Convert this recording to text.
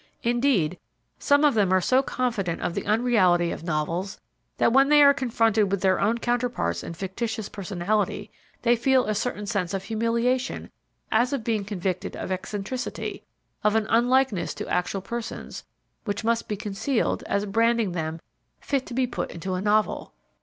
Indeed, some of them are so confident of the unreality of novels that when they are confronted with their own counterparts in fictitious personality they feel a certain sense of humiliation as of being convicted of eccentricity, of an unlikeness to actual persons, which must be concealed as branding them "fit to be put into a novel."